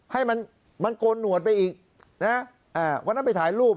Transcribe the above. ให้มันมันโกนหนวดไปอีกนะวันนั้นไปถ่ายรูป